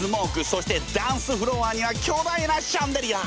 そしてダンスフロアには巨大なシャンデリア！